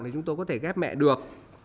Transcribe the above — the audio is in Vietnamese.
thì chúng tôi có thể ghép mẹ được